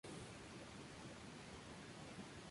Fue autor de dieciocho libros.